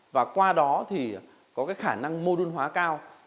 và qua đó có khả năng mô đun hóa cao